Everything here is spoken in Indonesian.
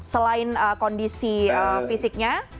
selain kondisi fisiknya